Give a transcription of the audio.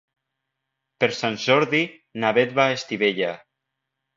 Per Sant Jordi na Bet va a Estivella.